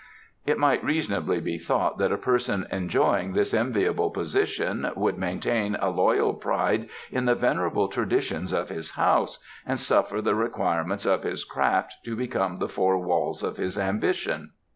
It might reasonably be thought that a person enjoying this enviable position would maintain a loyal pride in the venerable traditions of his house and suffer the requirements of his craft to become the four walls of his ambition.